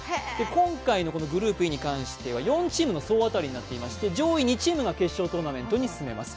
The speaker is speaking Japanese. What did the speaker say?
今回のグループＥについては、４チームの総当たりになっていまして上位２チームが決勝トーナメントに進めます。